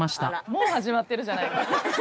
もう始まってるじゃない。